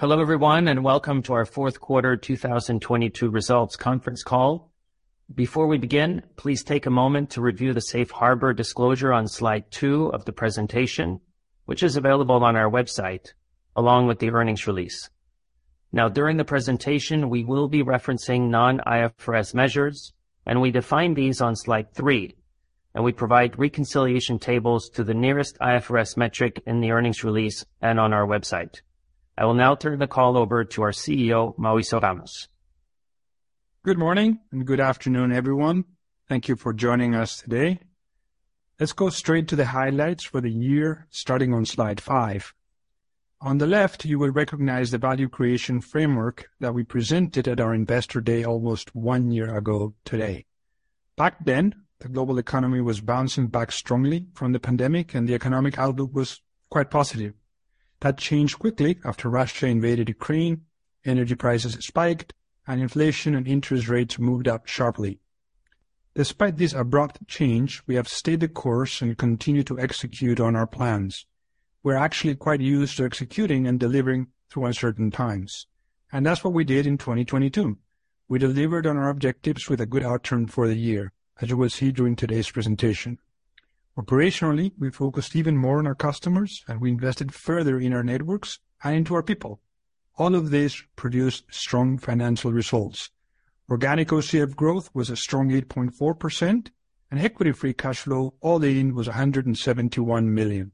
Hello, everyone, welcome to our fourth quarter 2022 results conference call. Before we begin, please take a moment to review the safe harbor disclosure on slide two of the presentation, which is available on our website, along with the earnings release. During the presentation, we will be referencing non-IFRS measures, and we define these on slide three, and we provide reconciliation tables to the nearest IFRS metric in the earnings release and on our website. I will now turn the call over to our CEO, Mauricio Ramos. Good morning and good afternoon, everyone. Thank you for joining us today. Let's go straight to the highlights for the year, starting on slide 5. On the left, you will recognize the value creation framework that we presented at our Investor Day almost one year ago today. Back then, the global economy was bouncing back strongly from the pandemic, the economic outlook was quite positive. That changed quickly after Russia invaded Ukraine, energy prices spiked, inflation and interest rates moved up sharply. Despite this abrupt change, we have stayed the course and continued to execute on our plans. We're actually quite used to executing and delivering through uncertain times, that's what we did in 2022. We delivered on our objectives with a good outcome for the year, as you will see during today's presentation. Operationally, we focused even more on our customers, and we invested further in our networks and into our people. All of this produced strong financial results. Organic OCF growth was a strong 8.4%, and Equity Free Cash Flow all-in was $171 million.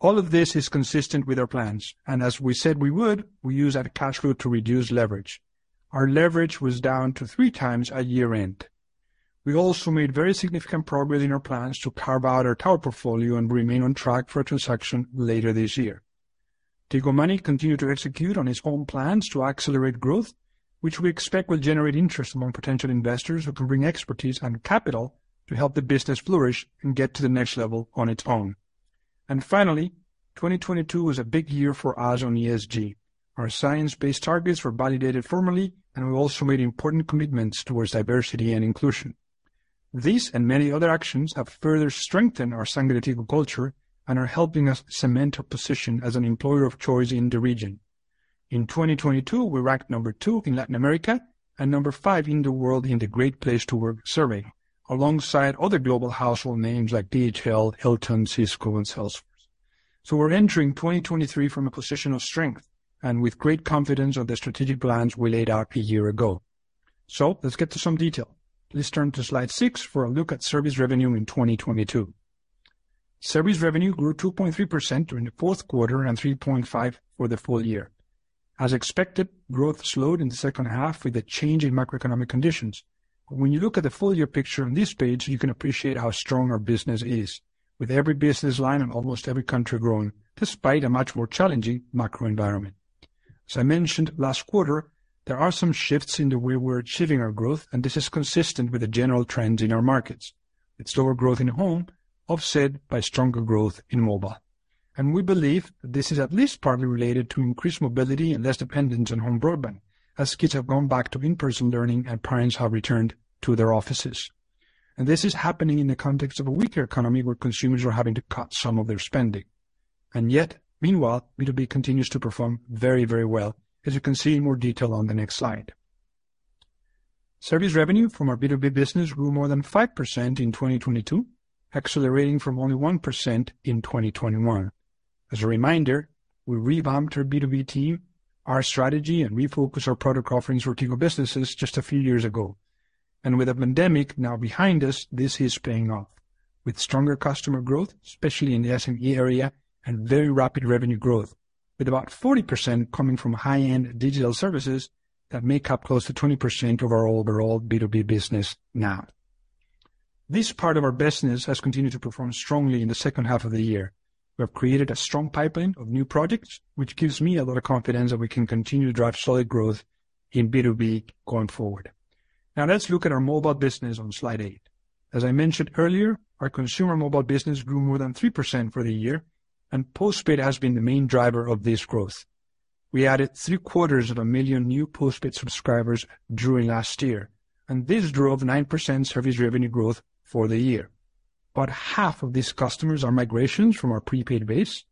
All of this is consistent with our plans, and as we said we would, we used that cash flow to reduce leverage. Our leverage was down to three times at year-end. We also made very significant progress in our plans to carve out our tower portfolio and remain on track for a transaction later this year. Tigo Money continued to execute on its own plans to accelerate growth, which we expect will generate interest among potential investors who can bring expertise and capital to help the business flourish and get to the next level on its own. Finally, 2022 was a big year for us on ESG. Our science-based targets were validated formally, and we also made important commitments towards diversity and inclusion. These and many other actions have further strengthened our Sangre Tigo culture and are helping us cement a position as an employer of choice in the region. In 2022, we ranked number 2 in Latin America and number 5 in the world in the Great Place to Work survey, alongside other global household names like DHL, Hilton, Cisco, and Salesforce. We're entering 2023 from a position of strength and with great confidence on the strategic plans we laid out a year ago. Let's get to some detail. Please turn to slide 6 for a look at service revenue in 2022. Service revenue grew 2.3% during the fourth quarter and 3.5% for the full year. As expected, growth slowed in the second half with a change in macroeconomic conditions. When you look at the full year picture on this page, you can appreciate how strong our business is, with every business line in almost every country growing, despite a much more challenging macro environment. As I mentioned last quarter, there are some shifts in the way we're achieving our growth. This is consistent with the general trends in our markets. It's lower growth in Home, offset by stronger growth in Mobile. We believe that this is at least partly related to increased mobility and less dependence on home broadband, as kids have gone back to in-person learning and parents have returned to their offices. This is happening in the context of a weaker economy where consumers are having to cut some of their spending. Yet, meanwhile, B2B continues to perform very, very well, as you can see in more detail on the next slide. Service revenue from our B2B business grew more than 5% in 2022, accelerating from only 1% in 2021. As a reminder, we revamped our B2B team, our strategy, and refocused our product offerings for Tigo businesses just a few years ago. With the pandemic now behind us, this is paying off, with stronger customer growth, especially in the SME area, and very rapid revenue growth, with about 40% coming from high-end digital services that make up close to 20% of our overall B2B business now. This part of our business has continued to perform strongly in the second half of the year. We have created a strong pipeline of new projects, which gives me a lot of confidence that we can continue to drive solid growth in B2B going forward. Let's look at our mobile business on slide 8. As I mentioned earlier, our consumer mobile business grew more than 3% for the year, postpaid has been the main driver of this growth. We added three-quarters of a million new postpaid subscribers during last year, this drove 9% service revenue growth for the year. About half of these customers are migrations from our prepaid base.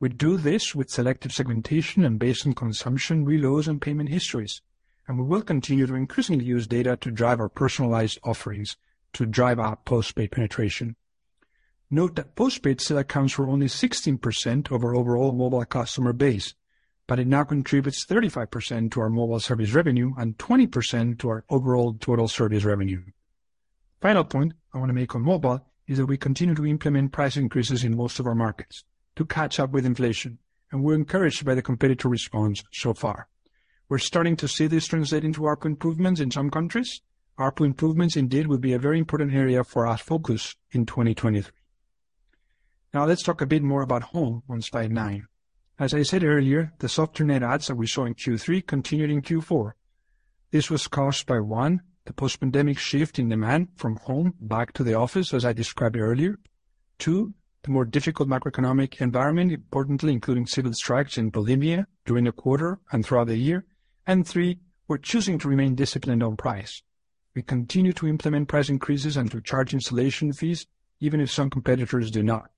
We do this with selective segmentation and based on consumption reloads and payment histories, we will continue to increasingly use data to drive our personalized offerings to drive our postpaid penetration. Note that postpaid still accounts for only 16% of our overall mobile customer base, but it now contributes 35% to our mobile service revenue and 20% to our overall total service revenue. Final point I want to make on mobile is that we continue to implement price increases in most of our markets to catch up with inflation, we're encouraged by the competitor response so far. We're starting to see this translate into ARPU improvements in some countries. ARPU improvements indeed will be a very important area for our focus in 2023. Let's talk a bit more about Home on slide 9. As I said earlier, the softer net adds that we saw in Q3 continued in Q4. This was caused by, one, the post-pandemic shift in demand from home back to the office, as I described earlier. Two, the more difficult macroeconomic environment, importantly including civil strikes in Bolivia during the quarter and throughout the year. Three, we're choosing to remain disciplined on price. We continue to implement price increases and to charge installation fees even if some competitors do not.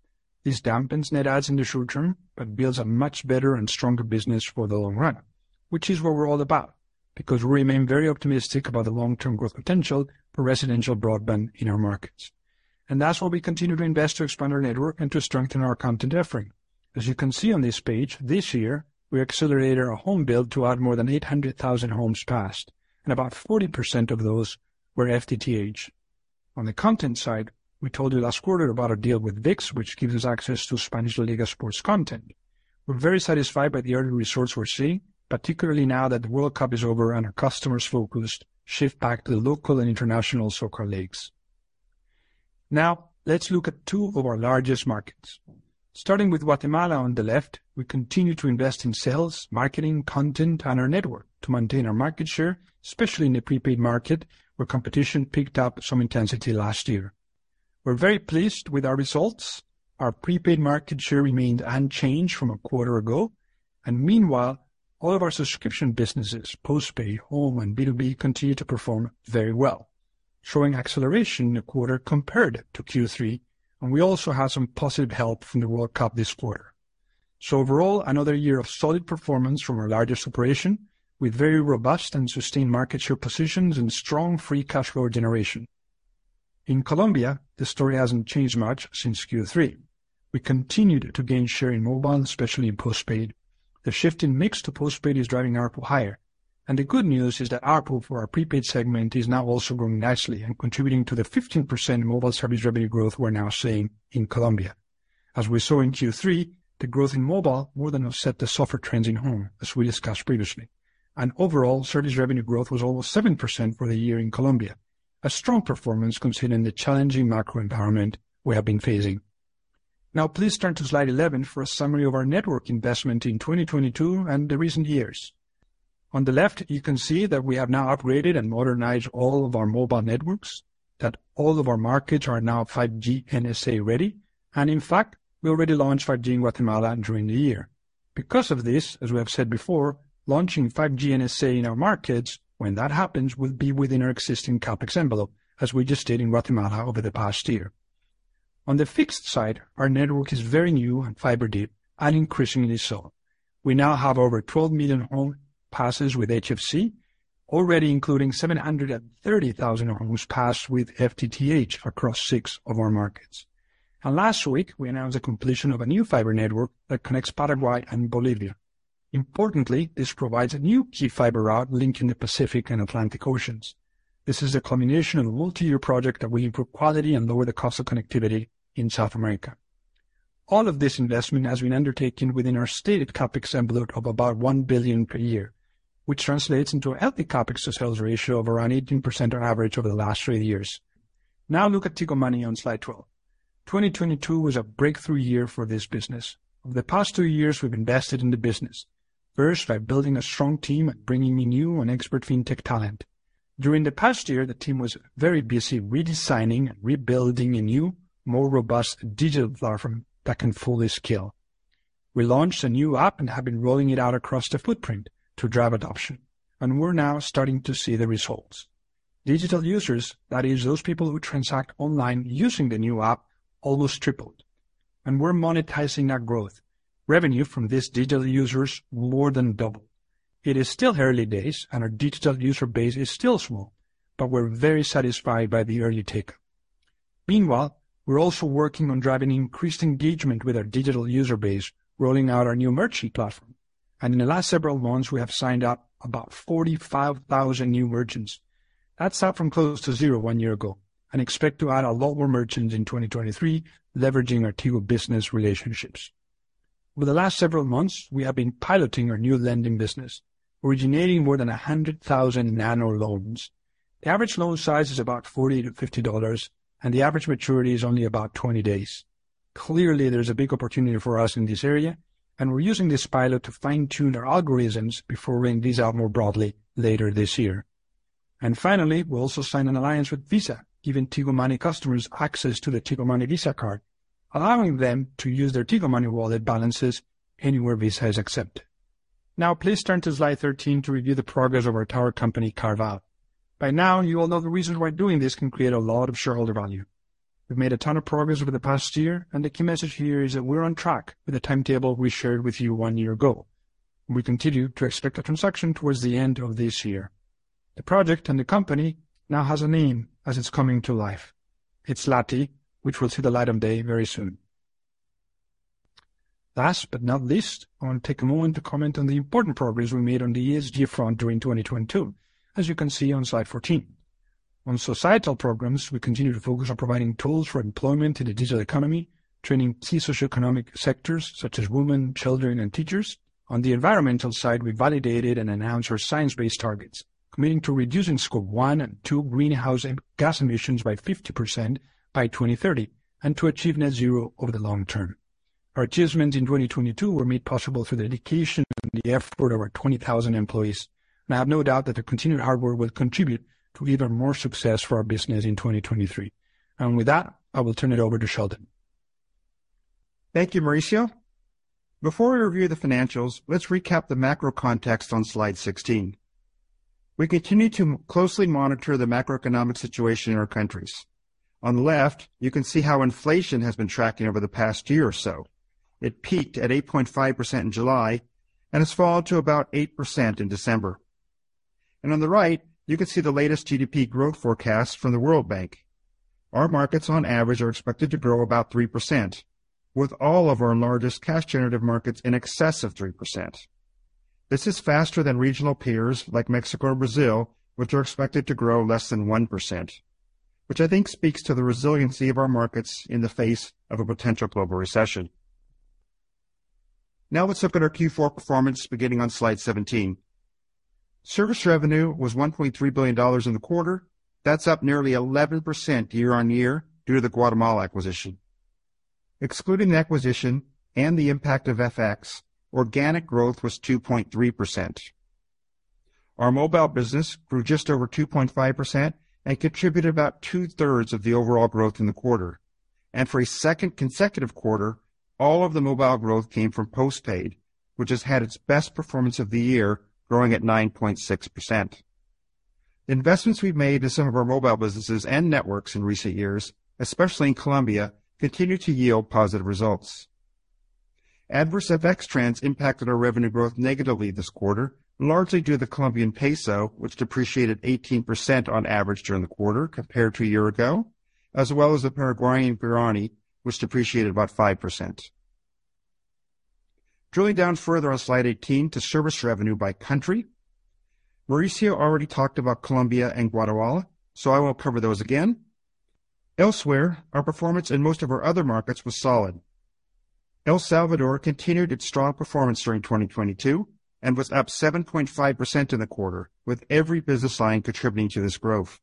This dampens net adds in the short term, but builds a much better and stronger business for the long run, which is what we're all about, because we remain very optimistic about the long-term growth potential for residential broadband in our markets. That's why we continue to invest to expand our network and to strengthen our content offering. As you can see on this page, this year, we accelerated our home build to add more than 800,000 homes passed, and about 40% of those were FTTH. On the content side, we told you last quarter about our deal with ViX, which gives us access to LaLiga sports content. We're very satisfied by the early results we're seeing, particularly now that the World Cup is over and our customers' focus shift back to the local and international soccer leagues. Let's look at two of our largest markets. Starting with Guatemala on the left, we continue to invest in sales, marketing, content, and our network to maintain our market share, especially in the prepaid market, where competition picked up some intensity last year. We're very pleased with our results. Our prepaid market share remained unchanged from a quarter ago. Meanwhile, all of our subscription businesses, postpaid, home, and B2B, continue to perform very well, showing acceleration in the quarter compared to Q3, and we also have some positive help from the World Cup this quarter. Overall, another year of solid performance from our largest operation, with very robust and sustained market share positions and strong free cash flow generation. In Colombia, the story hasn't changed much since Q3. We continued to gain share in mobile, especially in postpaid. The shift in mix to postpaid is driving ARPU higher. The good news is that ARPU for our prepaid segment is now also growing nicely and contributing to the 15% mobile service revenue growth we're now seeing in Colombia. As we saw in Q3, the growth in mobile more than offset the softer trends in home, as we discussed previously. Overall, service revenue growth was over 7% for the year in Colombia. A strong performance considering the challenging macro environment we have been facing. Now please turn to slide 11 for a summary of our network investment in 2022 and the recent years. On the left, you can see that we have now upgraded and modernized all of our mobile networks, that all of our markets are now 5G NSA ready. In fact, we already launched 5G in Guatemala during the year. Because of this, as we have said before, launching 5G NSA in our markets, when that happens, will be within our existing CapEx envelope, as we just did in Guatemala over the past year. On the fixed side, our network is very new and fiber-deep, and increasingly so. We now have over 12 million home passes with HFC, already including 730,000 homes passed with FTTH across six of our markets. Last week, we announced the completion of a new fiber network that connects Paraguay and Bolivia. Importantly, this provides a new key fiber route linking the Pacific and Atlantic oceans. This is a culmination of a multi-year project that will improve quality and lower the cost of connectivity in South America. All of this investment has been undertaken within our stated CapEx envelope of about $1 billion per year, which translates into a healthy CapEx to sales ratio of around 18% on average over the last three years. Now look at Tigo Money on slide 12. 2022 was a breakthrough year for this business. Over the past two years, we've invested in the business, first by building a strong team and bringing in new and expert fintech talent. During the past year, the team was very busy redesigning and rebuilding a new, more robust digital platform that can fully scale. We launched a new app and have been rolling it out across the footprint to drive adoption, and we're now starting to see the results. Digital users, that is, those people who transact online using the new app, almost tripled. We're monetizing that growth. Revenue from these digital users more than doubled. It is still early days, and our digital user base is still small, but we're very satisfied by the early take-up. Meanwhile, we're also working on driving increased engagement with our digital user base, rolling out our new merchant platform. In the last several months, we have signed up about 45,000 new merchants. That's up from close to zero one year ago. Expect to add a lot more merchants in 2023, leveraging our Tigo business relationships. Over the last several months, we have been piloting our new lending business, originating more than 100,000 nano loans. The average loan size is about $40-$50, and the average maturity is only about 20 days. Clearly, there's a big opportunity for us in this area. We're using this pilot to fine-tune our algorithms before rolling these out more broadly later this year. Finally, we also signed an alliance with Visa, giving Tigo Money customers access to the Tigo Money Visa Card, allowing them to use their Tigo Money wallet balances anywhere Visa is accepted. Now please turn to slide 13 to review the progress of our tower company, carve-oute. By now, you all know the reasons why doing this can create a lot of shareholder value. We've made a ton of progress over the past year. The key message here is that we're on track with the timetable we shared with you one year ago. We continue to expect a transaction towards the end of this year. The project and the company now has a name as it's coming to life. It's Lati, which will see the light of day very soon. Last but not least, I want to take a moment to comment on the important progress we made on the ESG front during 2022, as you can see on slide 14. On societal programs, we continue to focus on providing tools for employment in the digital economy, training key socioeconomic sectors such as women, children, and teachers. On the environmental side, we validated and announced our science-based targets, committing to reducing Scope 1 and 2 greenhouse gas emissions by 50% by 2030, and to achieve net zero over the long term. Our achievements in 2022 were made possible through the dedication and the effort of our 20,000 employees. I have no doubt that the continued hard work will contribute to even more success for our business in 2023. With that, I will turn it over to Sheldon. Thank you, Mauricio. Before we review the financials, let's recap the macro context on slide 16. We continue to closely monitor the macroeconomic situation in our countries. On the left, you can see how inflation has been tracking over the past year or so. It peaked at 8.5% in July and has fallen to about 8% in December. On the right, you can see the latest GDP growth forecast from the World Bank. Our markets on average are expected to grow about 3%, with all of our largest cash generative markets in excess of 3%. This is faster than regional peers like Mexico or Brazil, which are expected to grow less than 1%, which I think speaks to the resiliency of our markets in the face of a potential global recession. Let's look at our Q4 performance beginning on slide 17. Service revenue was $1.3 billion in the quarter. That's up nearly 11% year-on-year due to the Guatemala acquisition. Excluding the acquisition and the impact of FX, organic growth was 2.3%. Our mobile business grew just over 2.5% and contributed about two-thirds of the overall growth in the quarter. For a second consecutive quarter, all of the mobile growth came from postpaid, which has had its best performance of the year, growing at 9.6%. Investments we've made to some of our mobile businesses and networks in recent years, especially in Colombia, continue to yield positive results. Adverse FX trends impacted our revenue growth negatively this quarter, largely due to the Colombian peso, which depreciated 18% on average during the quarter compared to a year ago, as well as the Paraguayan guarani, which depreciated about 5%. Drilling down further on slide 18 to service revenue by country. Mauricio already talked about Colombia and Guatemala, I won't cover those again. Elsewhere, our performance in most of our other markets was solid. El Salvador continued its strong performance during 2022 and was up 7.5% in the quarter, with every business line contributing to this growth.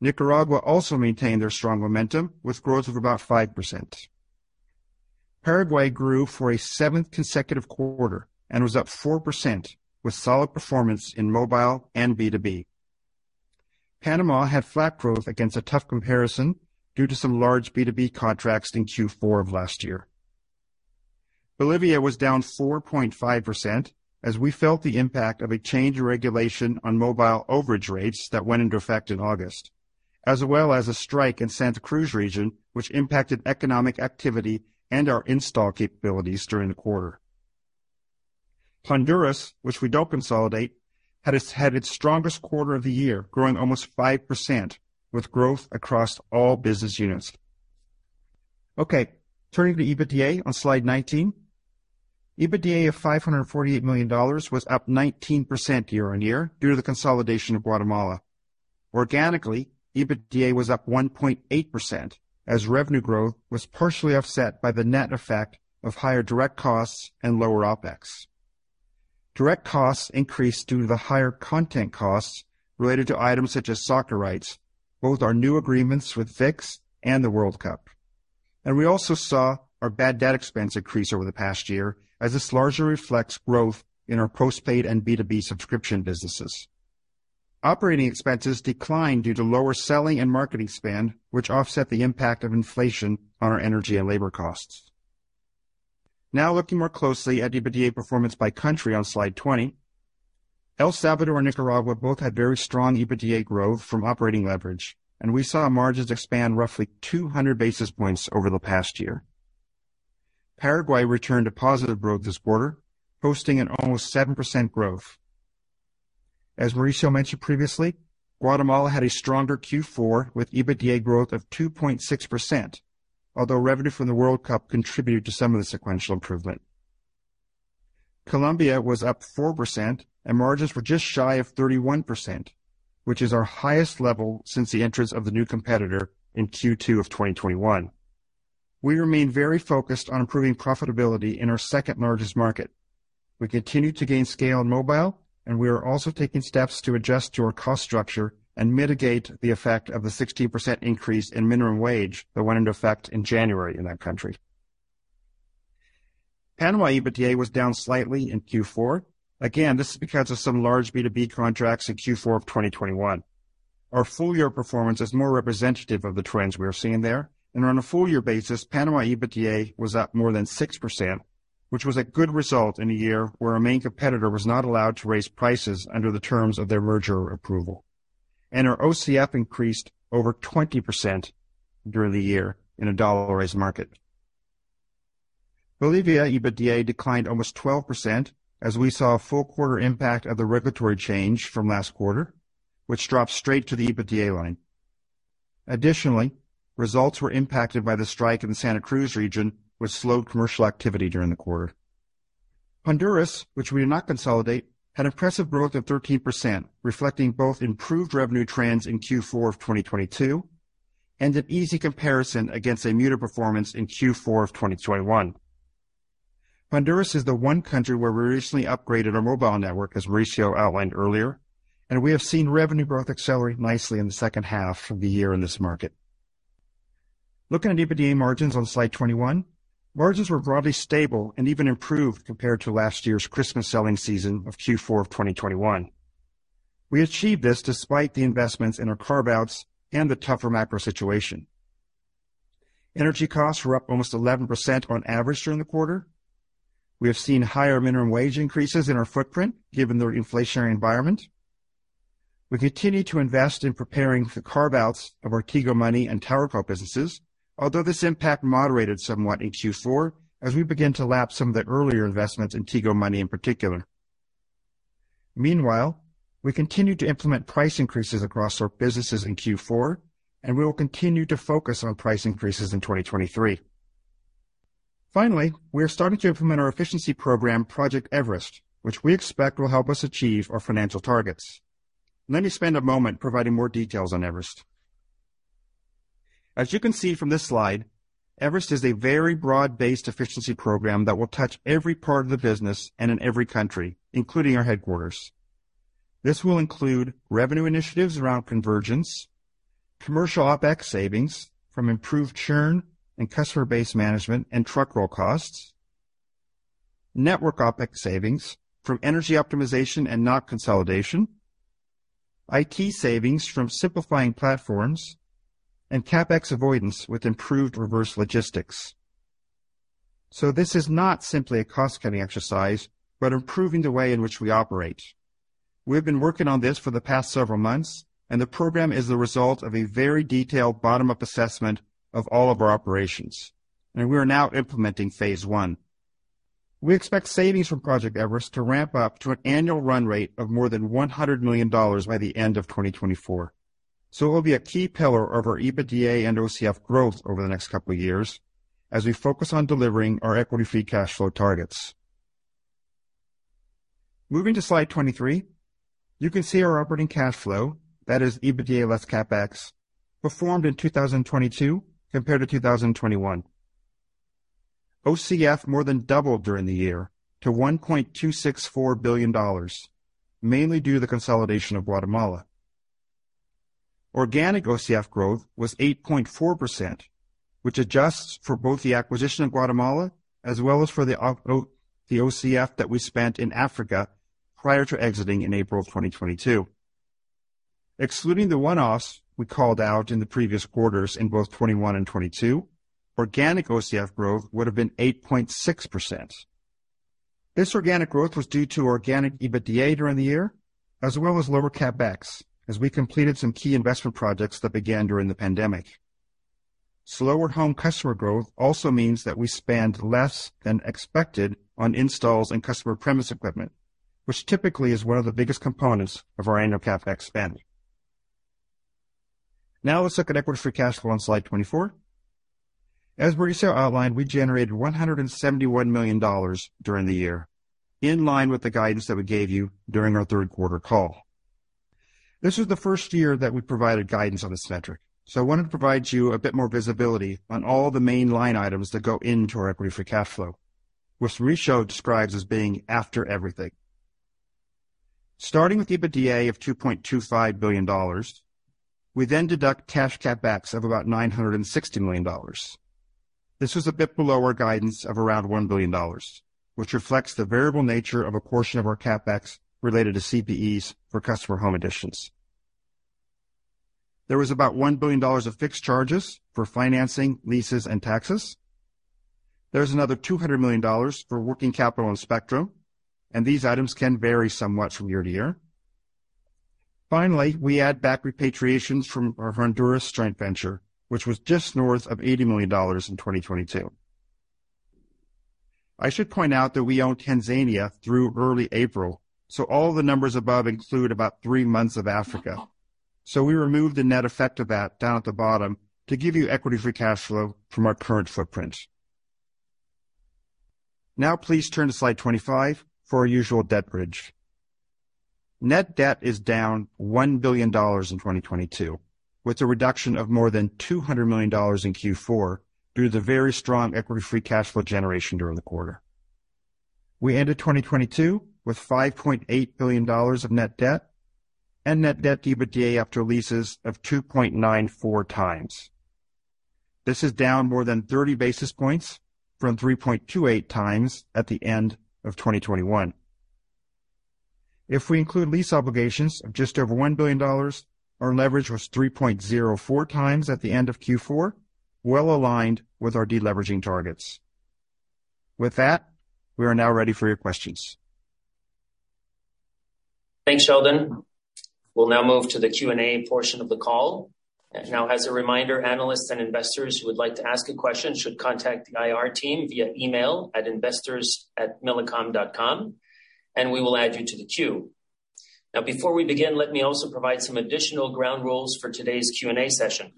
Nicaragua also maintained their strong momentum with growth of about 5%. Paraguay grew for a seventh consecutive quarter and was up 4% with solid performance in mobile and B2B. Panama had flat growth against a tough comparison due to some large B2B contracts in Q4 of last year. Bolivia was down 4.5% as we felt the impact of a change in regulation on mobile overage rates that went into effect in August, as well as a strike in Santa Cruz region, which impacted economic activity and our install capabilities during the quarter. Honduras, which we don't consolidate, had its strongest quarter of the year, growing almost 5% with growth across all business units. Okay. Turning to EBITDA on slide 19. EBITDA of $548 million was up 19% year-on-year due to the consolidation of Guatemala. Organically, EBITDA was up 1.8% as revenue growth was partially offset by the net effect of higher direct costs and lower OpEx. Direct costs increased due to the higher content costs related to items such as soccer rights, both our new agreements with ViX and the World Cup. We also saw our bad debt expense increase over the past year as this largely reflects growth in our postpaid and B2B subscription businesses. Operating expenses declined due to lower selling and marketing spend, which offset the impact of inflation on our energy and labor costs. Now looking more closely at EBITDA performance by country on slide 20. El Salvador and Nicaragua both had very strong EBITDA growth from operating leverage, and we saw margins expand roughly 200 basis points over the past year. Paraguay returned to positive growth this quarter, posting an almost 7% growth. As Mauricio mentioned previously, Guatemala had a stronger Q4 with EBITDA growth of 2.6%, although revenue from the World Cup contributed to some of the sequential improvement. Colombia was up 4% and margins were just shy of 31%, which is our highest level since the entrance of the new competitor in Q2 of 2021. We remain very focused on improving profitability in our second-largest market. We continue to gain scale in mobile, and we are also taking steps to adjust to our cost structure and mitigate the effect of the 16% increase in minimum wage that went into effect in January in that country. Panama EBITDA was down slightly in Q4. This is because of some large B2B contracts in Q4 of 2021. Our full year performance is more representative of the trends we are seeing there. On a full year basis, Panama EBITDA was up more than 6%, which was a good result in a year where our main competitor was not allowed to raise prices under the terms of their merger approval. Our OCF increased over 20% during the year in a dollarized market. Bolivia EBITDA declined almost 12% as we saw a full quarter impact of the regulatory change from last quarter, which dropped straight to the EBITDA line. Additionally, results were impacted by the strike in the Santa Cruz region, which slowed commercial activity during the quarter. Honduras, which we do not consolidate, had impressive growth of 13%, reflecting both improved revenue trends in Q4 of 2022 and an easy comparison against a muted performance in Q4 of 2021. Honduras is the one country where we recently upgraded our mobile network, as Mauricio outlined earlier. We have seen revenue growth accelerate nicely in the second half of the year in this market. Looking at EBITDA margins on slide 21. Margins were broadly stable and even improved compared to last year's Christmas selling season of Q4 of 2021. We achieved this despite the investments in our carve-outs and the tougher macro situation. Energy costs were up almost 11% on average during the quarter. We have seen higher minimum wage increases in our footprint given the inflationary environment. We continue to invest in preparing for carve-outs of our Tigo Money and TowerCo businesses. This impact moderated somewhat in Q4 as we begin to lap some of the earlier investments in Tigo Money in particular. Meanwhile, we continue to implement price increases across our businesses in Q4, and we will continue to focus on price increases in 2023. Finally, we are starting to implement our efficiency program, Project Everest, which we expect will help us achieve our financial targets. Let me spend a moment providing more details on Everest. As you can see from this slide, Everest is a very broad-based efficiency program that will touch every part of the business and in every country, including our headquarters. This will include revenue initiatives around convergence, commercial OpEx savings from improved churn and customer base management and truck roll costs, network OpEx savings from energy optimization and NOC consolidation, IT savings from simplifying platforms, and CapEx avoidance with improved reverse logistics. This is not simply a cost-cutting exercise, but improving the way in which we operate. We've been working on this for the past several months, the program is the result of a very detailed bottom-up assessment of all of our operations, we are now implementing phase 1. We expect savings from Project Everest to ramp up to an annual run rate of more than $100 million by the end of 2024. It will be a key pillar of our EBITDA and OCF growth over the next couple of years as we focus on delivering our Equity Free Cash Flow targets. Moving to slide 23. You can see our operating cash flow, that is EBITDA less CapEx, performed in 2022 compared to 2021. OCF more than doubled during the year to $1.264 billion, mainly due to the consolidation of Guatemala. Organic OCF growth was 8.4%, which adjusts for both the acquisition of Guatemala as well as for the OCF that we spent in Africa prior to exiting in April of 2022. Excluding the one-offs we called out in the previous quarters in both 2021 and 2022, organic OCF growth would have been 8.6%. This organic growth was due to organic EBITDA during the year, as well as lower CapEx, as we completed some key investment projects that began during the pandemic. Slower home customer growth also means that we spend less than expected on installs and customer premise equipment, which typically is one of the biggest components of our annual CapEx spending. Let's look at Equity Free Cash Flow on slide 24. As Mauricio outlined, we generated $171 million during the year, in line with the guidance that we gave you during our third quarter call. This was the first year that we provided guidance on this metric, I wanted to provide you a bit more visibility on all the main line items that go into our Equity Free Cash Flow, which Mauricio describes as being after everything. Starting with EBITDA of $2.25 billion, we then deduct cash CapEx of about $960 million. This was a bit below our guidance of around $1 billion, which reflects the variable nature of a portion of our CapEx related to CPEs for customer home additions. There was about $1 billion of fixed charges for financing, leases, and taxes. There's another $200 million for working capital and spectrum, these items can vary somewhat from year to year. Finally, we add back repatriations from our Honduras joint venture, which was just north of $80 million in 2022. I should point out that we owned Tanzania through early April, all the numbers above include about three months of Africa. We removed the net effect of that down at the bottom to give you Equity Free Cash Flow from our current footprint. Now please turn to slide 25 for our usual debt bridge. Net debt is down $1 billion in 2022, with a reduction of more than $200 million in Q4 due to the very strong Equity Free Cash Flow generation during the quarter. We ended 2022 with $5.8 billion of net debt and net debt to EBITDA after leases of 2.94 times. This is down more than 30 basis points from 3.28 times at the end of 2021. If we include lease obligations of just over $1 billion, our leverage was 3.04 times at the end of Q4, well aligned with our deleveraging targets. With that, we are now ready for your questions. Thanks, Sheldon. We'll now move to the Q&A portion of the call. As a reminder, analysts and investors who would like to ask a question should contact the IR team via email at investors@millicom.com, and we will add you to the queue. Before we begin, let me also provide some additional ground rules for today's Q&A session.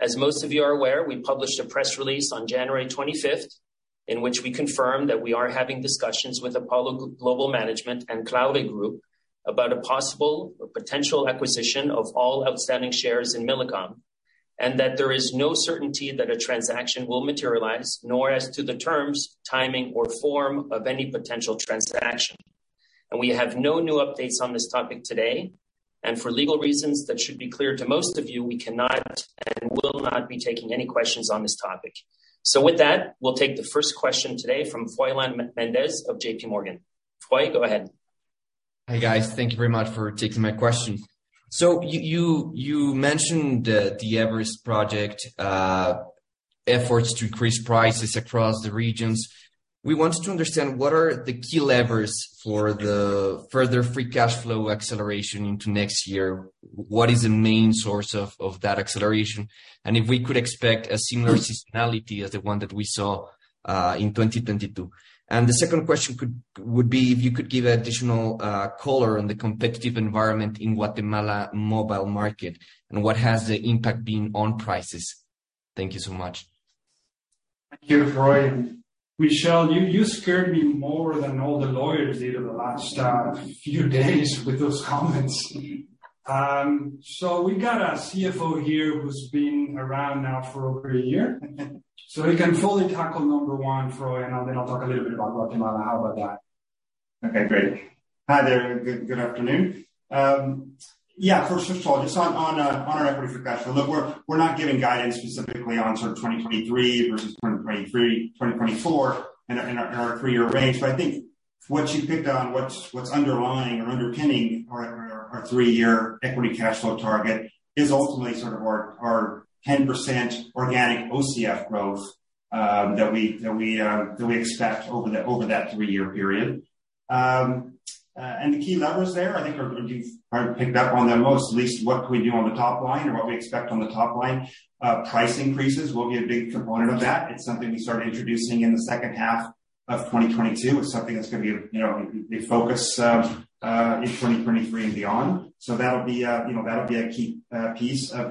As most of you are aware, we published a press release on January 25th, in which we confirmed that we are having discussions with Apollo Global Management and Claure Group about a possible or potential acquisition of all outstanding shares in Millicom, and that there is no certainty that a transaction will materialize, nor as to the terms, timing, or form of any potential transaction. We have no new updates on this topic today. And for legal reasons that should be clear to most of you, we cannot and will not be taking any questions on this topic. With that, we'll take the first question today from Froylan Mendez of JPMorgan. Froy, go ahead. Hi, guys. Thank you very much for taking my question. You mentioned the Everest project efforts to increase prices across the regions. We wanted to understand what are the key levers for the further free cash flow acceleration into next year? What is the main source of that acceleration? If we could expect a similar seasonality as the one that we saw in 2022. The second question would be if you could give additional color on the competitive environment in Guatemala mobile market and what has the impact been on prices. Thank you so much. Thank you, Froy. Michel, you scared me more than all the lawyers did over the last few days with those comments. We got our CFO here who's been around now for over one year. He can fully tackle number 1, Froy, and then I'll talk a little bit about Guatemala. How about that? Okay, great. Hi there. Good, good afternoon. Yeah, first of all, just on our Equity Free Cash Flow. Look, we're not giving guidance specifically on sort of 2023 versus 2024 in our three-year range. I think what you picked on, what's underlying or underpinning our three-year Equity Cash Flow target is ultimately sort of our 10% organic OCF growth that we expect over that three-year period. The key levers there, I think you've picked up on them most. At least what can we do on the top line or what we expect on the top line. Price increases will be a big component of that. It's something we started introducing in the second half of 2022. It's something that's going to be, you know, a focus in 2023 and beyond. That'll be a, you know, that'll be a key piece of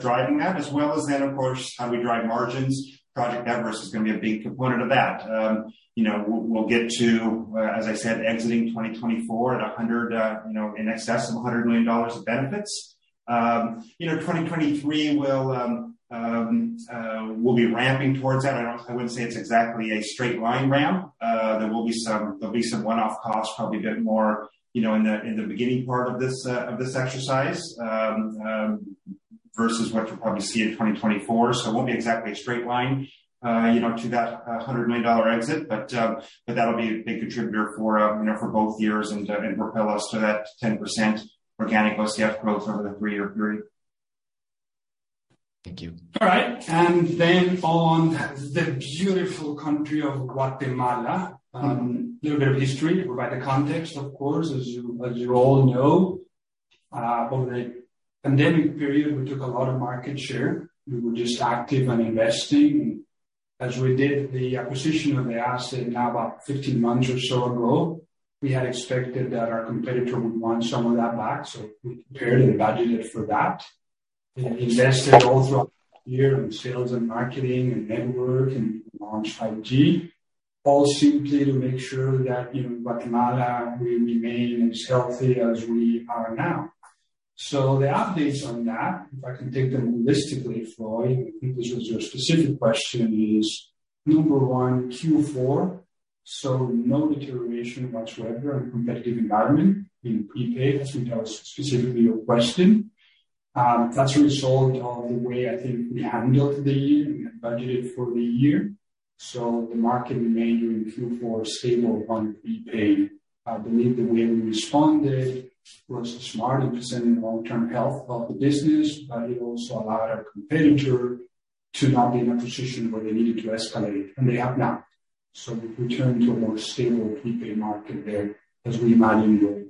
driving that as well as then of course, how we drive margins. Project Everest is going to be a big component of that. You know, we'll get to, as I said, exiting 2024 at 100, you know, in excess of $100 million of benefits. You know, 2023 will be ramping towards that. I wouldn't say it's exactly a straight line ramp. There will be some, there'll be some one-off costs, probably a bit more, you know, in the beginning part of this exercise, versus what you'll probably see in 2024. it won't be exactly a straight line, you know, to that $100 million exit, but that'll be a big contributor for, you know, for both years and propel us to that 10% organic OCF growth over the three-year period. Thank you. On the beautiful country of Guatemala. A little bit of history to provide the context, of course, as you all know, over the pandemic period, we took a lot of market share. We were just active and investing. As we did the acquisition of the asset now about 15 months or so ago, we had expected that our competitor would want some of that back. We prepared and budgeted for that. We invested also here in sales and marketing and network, and we launched 5G, all simply to make sure that, you know, Guatemala will remain as healthy as we are now. The updates on that, if I can take them holistically, Foy, I think this was your specific question is, number 1, Q4. No deterioration whatsoever in competitive environment in prepaid as we know is specifically your question. That's a result of the way I think we handled the year and budgeted for the year. The market remained in Q4 stable on prepaid. I believe the way we responded was smart in preserving the long-term health of the business, but it also allowed our competitor to not be in a position where they needed to escalate, and they have not. We've returned to a more stable prepaid market there as we imagined it.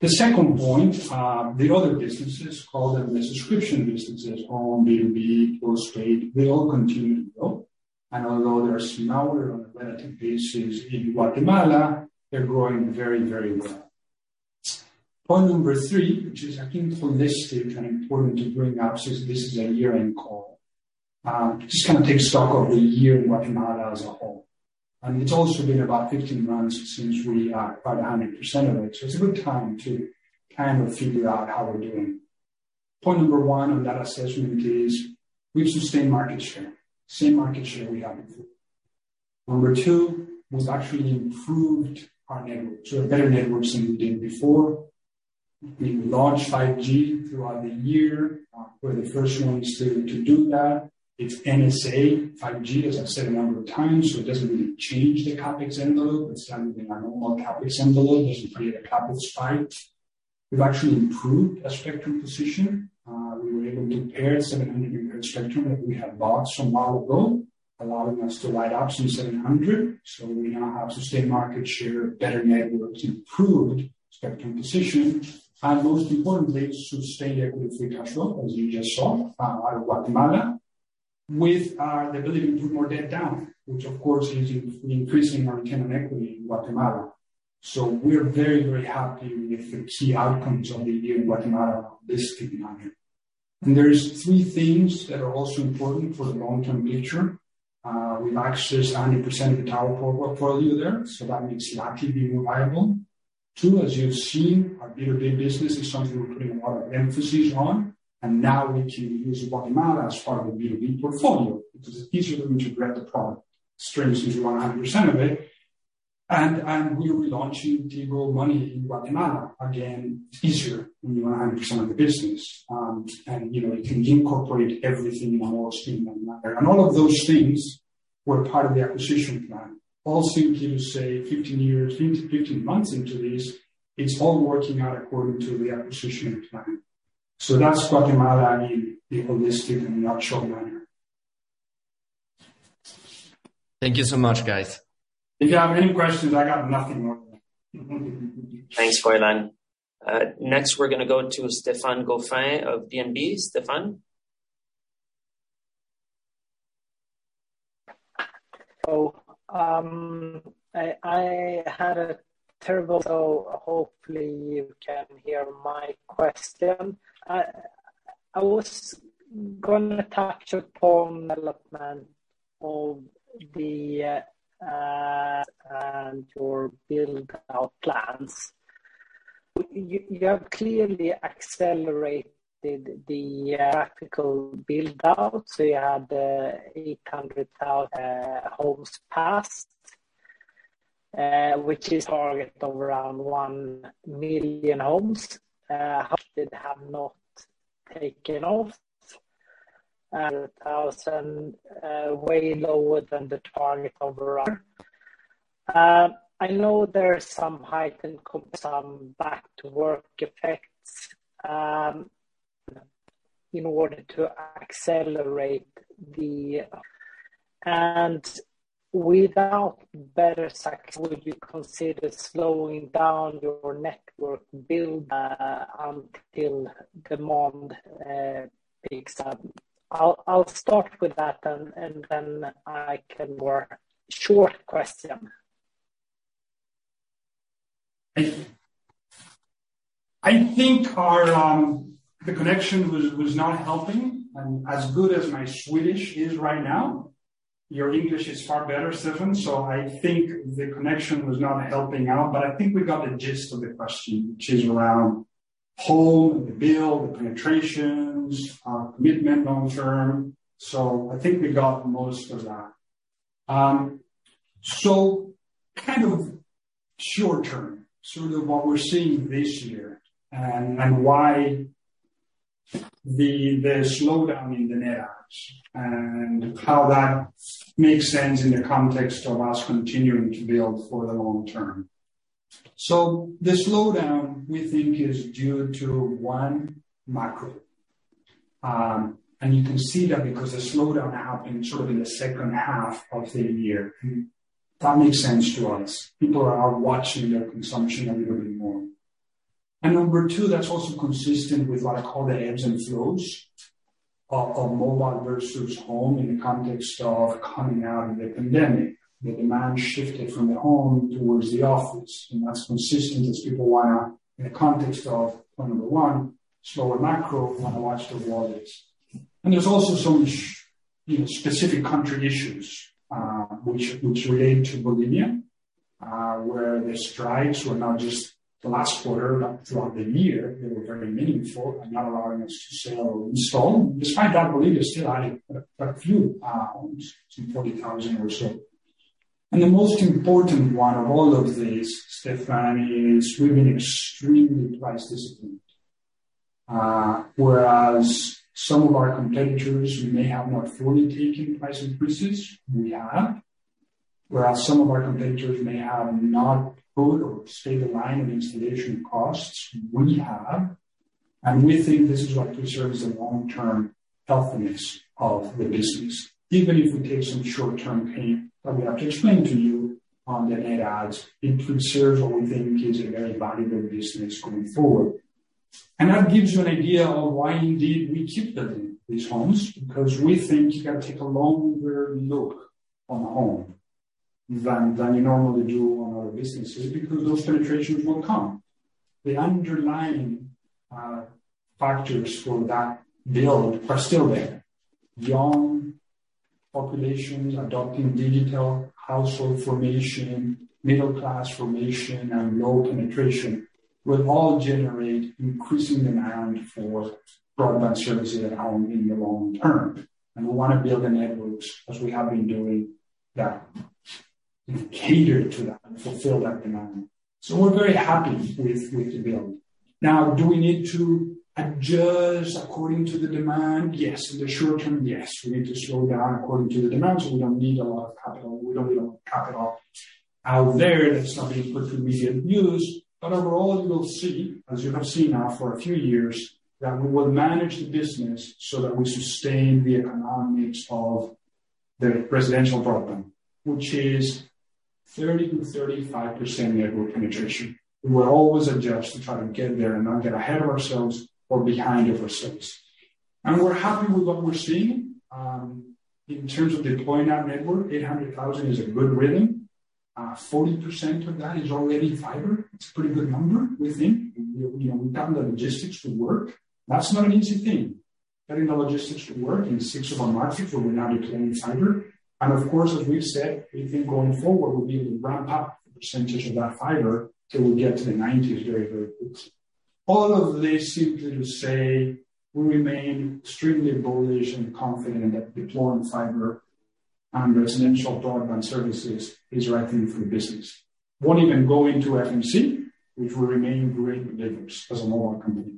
The second point, the other businesses, call them the subscription businesses, home, B2B, Postpaid, they all continue to grow. Although they are smaller on a relative basis in Guatemala, they're growing very, very well. Point number 3, which is I think holistic and important to bring up since this is a year-end call. Just kinda take stock of the year in Guatemala as a whole. It's also been about 15 months since we bought 100% of it. It's a good time to kind of figure out how we're doing. Point number one on that assessment is we've sustained market share, same market share we had before. Number two, was actually improved our network to a better network than we did before. We launched 5G throughout the year. We're the first ones to do that. It's NSA 5G, as I've said a number of times, so it doesn't really change the CapEx envelope. It's kind of in our normal CapEx envelope. Doesn't create a CapEx spike. We've actually improved our spectrum position. We were able to pair 700 MHz spectrum that we had bought some while ago, allowing us to light up some 700. We now have sustained market share, better network, improved spectrum position, and most importantly, sustained Equity Free Cash Flow, as you just saw, out of Guatemala with the ability to put more debt down, which of course is increasing our return on equity in Guatemala. We're very happy with the key outcomes of the year in Guatemala on this keeping on it. There's three things that are also important for the long-term future. We've accessed 100% of the tower portfolio there, so that makes Lati be more viable. Two, as you've seen, our B2B business is something we're putting a lot of emphasis on, and now we can use Guatemala as part of the B2B portfolio. It is easier for me to spread the product stream since we own 100% of it. We're relaunching Tigo Money in Guatemala. Again, it's easier when you own 100% of the business. You know, you can incorporate everything in a more streamlined manner. All of those things were part of the acquisition plan. All seem to say 15 months into this, it's all working out according to the acquisition plan. That's Guatemala in the holistic and the operational manner. Thank you so much, guys. If you have any questions, I got nothing more. Thanks, Froylan. Next, we're gonna go to Stefan Gauffin of DNB. Stefan? I had a terrible, so hopefully you can hear my question. I was gonna touch upon development of the, and your build-out plans. You have clearly accelerated the practical build-out, so you had 800,000 homes passed, which is target of around 1 million homes. Half did have not taken off. A thousand, way lower than the target of around. I know there is some heightened some back to work effects, in order to accelerate the... Without better sec, would you consider slowing down your network build, until demand picks up? I'll start with that, and then I can work. Short question. I think our, the connection was not helping. As good as my Swedish is right now, your English is far better, Stefan. I think the connection was not helping out, but I think we got the gist of the question, which is around home and the build, the penetrations, our commitment long term. I think we got most of that. Kind of short term, sort of what we're seeing this year and why the slowdown in the net adds and how that makes sense in the context of us continuing to build for the long term. The slowdown we think is due to one, macro. You can see that because the slowdown happened sort of in the second half of the year. That makes sense to us. People are watching their consumption a little bit more. Number 2, that's also consistent with what I call the ebbs and flows of mobile versus home in the context of coming out of the pandemic. The demand shifted from the home towards the office, and that's consistent as people wanna, in the context of point number 1, slower macro, wanna watch their wallets. There's also some, you know, specific country issues which relate to Bolivia, where the strikes were not just the last quarter, but throughout the year, they were very meaningful and not allowing us to sell or install. Despite that, Bolivia still added a few, some 40,000 or so. The most important one of all of these, Stefan, is we've been extremely price disciplined. Whereas some of our competitors who may have not fully taken price increases, we have. Whereas some of our competitors may have not put or stayed the line on installation costs, we have. We think this is what preserves the long-term healthiness of the business. Even if we take some short-term pain that we have to explain to you on the net adds, it preserves what we think is a very valuable business going forward. That gives you an idea of why indeed we keep adding these homes, because we think you gotta take a longer look on the home than you normally do on other businesses, because those penetrations will come. The underlying factors for that build are still there. Young populations adopting digital, household formation, middle class formation, and low penetration will all generate increasing demand for broadband services at home in the long term. We wanna build the networks as we have been doing that and cater to that and fulfill that demand. We're very happy with the build. Now, do we need to adjust according to the demand? Yes. In the short term, yes. We need to slow down according to the demand, so we don't need a lot of capital. We don't need a lot of capital out there that's not being put to immediate use. Overall, you will see, as you have seen now for a few years, that we will manage the business so that we sustain the economics of the residential broadband, which is 30%-35% network penetration. We will always adjust to try to get there and not get ahead of ourselves or behind of ourselves. We're happy with what we're seeing. In terms of deploying our network, 800,000 is a good rhythm. 40% of that is already fiber. It's a pretty good number, we think. You know, we've done the logistics to work. That's not an easy thing. Getting the logistics to work in six of our markets where we're now deploying fiber. Of course, as we've said, we think going forward, we'll be able to ramp up the percentage of that fiber till we get to the 90s very, very quickly. All of this simply to say we remain extremely bullish and confident that deploying fiber and residential broadband services is the right thing for the business. Won't even go into FMC, which will remain great leverage as a mobile company.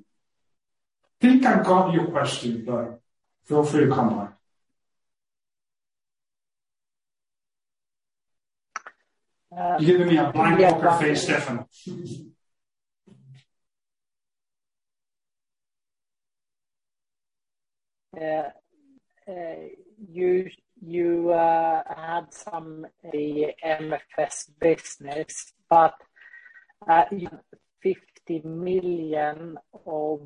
I think I've got your question, but feel free to comment. You're giving me a blank look on face, Stefan. Yeah. You had some MFS business, but you have $50 million of